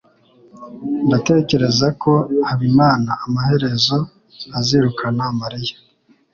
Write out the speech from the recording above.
Ndatekereza ko Habimana amaherezo azirukana Mariya.